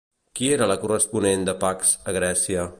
Qui era la corresponent de Pax a Grècia?